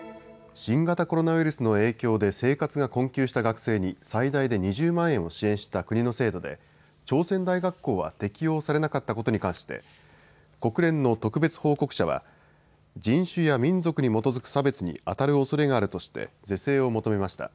新型コロナウイルスの影響で生活が困窮した学生に最大で２０万円を支援した国の制度で朝鮮大学校は適用されなかったことに関して国連の特別報告者は人種や民族に基づく差別にあたるおそれがあるとして是正を求めました。